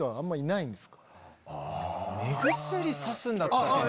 目薬さすんだったら。